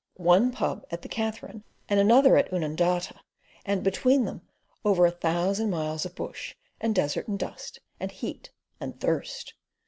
One pub at the Katherine and another at Oodnadatta and between them over a thousand miles of bush, and desert and dust, and heat, and thirst.